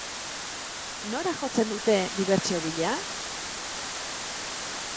Nora jotzen dute dibertsio bila?